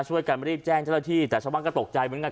ช่วยกันรีบแจ้งเจ้าหน้าที่แต่ชาวบ้านก็ตกใจเหมือนกัน